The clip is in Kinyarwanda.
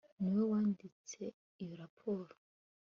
niwowe wanditse iyo raporo